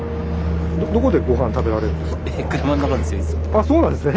あっそうなんですね。